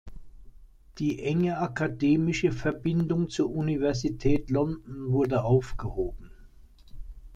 Die enge akademische Verbindung zur Universität London wurde aufgehoben.